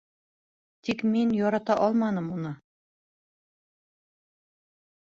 Тик мин ярата алманым уны...